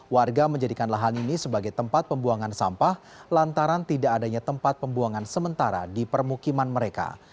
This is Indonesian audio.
warga menjadikan lahan ini sebagai tempat pembuangan sampah lantaran tidak adanya tempat pembuangan sementara di permukiman mereka